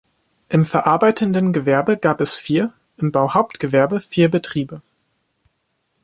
Im verarbeitenden Gewerbe gab es vier, im Bauhauptgewerbe vier Betriebe.